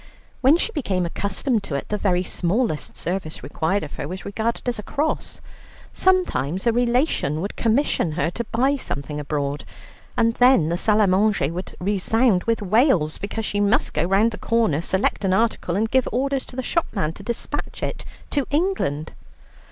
When she became accustomed to it, the very smallest service required of her was regarded as a cross. Sometimes a relation would commission her to buy something abroad, and then the salle à manger would resound with wails, because she must go round the corner, select an article, and give orders to the shopman to despatch it to England.